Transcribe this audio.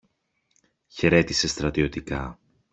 χαιρέτησε στρατιωτικά.